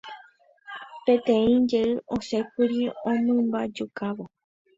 Peteĩ jey osẽkuri omymbajukávo.